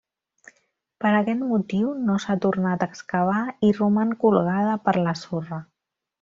Per aquest motiu no s'ha tornat a excavar i roman colgada per la sorra.